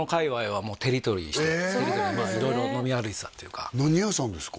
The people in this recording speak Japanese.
色々飲み歩いてたっていうか何屋さんですか？